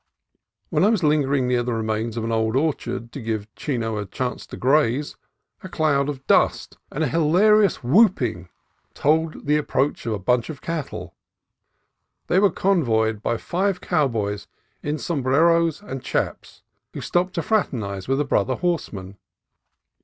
While I was lingering near the remains of an old orchard, to give Chino a chance to graze, a cloud of dust and a hilarious whooping told the approach of a "bunch" of cattle. They were convoyed by five cowboys in sombreros and "chaps," who stopped to fraternize with a brother horseman.